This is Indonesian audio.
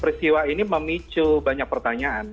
peristiwa ini memicu banyak pertanyaan